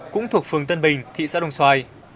cũng thuộc phường tân bình thị xã đồng xoài